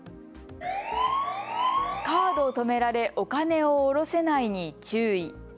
カード止められお金を下ろせないに注意。